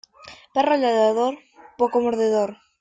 Perro ladrador, poco mordedor.